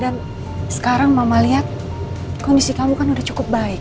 sekarang mama lihat kondisi kamu kan udah cukup baik